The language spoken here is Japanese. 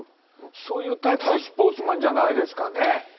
そういうタイプのスポーツマンじゃないですかね。